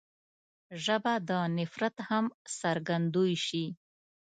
ژبه د نفرت هم څرګندوی شي